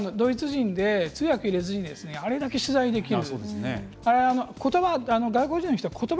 ドイツ人で、通訳入れずにあれだけ取材できる。